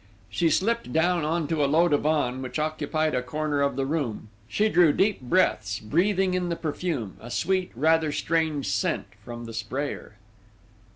She slipped down on to a low divan, which occupied a corner of the room: she drew deep breaths, breaking in the perfume, a sweet rather strange scent, from the sprayer.